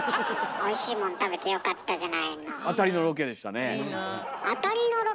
おいしいもん食べてよかったじゃないの。